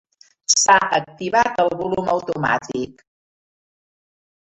S'ha activat el volum automàtic.